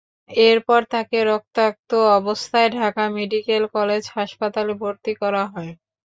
এরপর তাকে রক্তাক্ত অবস্থায় ঢাকা মেডিকেল কলেজ হাসপাতালে ভর্তি করা হয়।